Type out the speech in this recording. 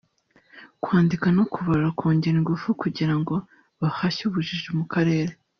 kwandika no kubara kongera ingufu kugira ngo bahashye ubujiji mu karere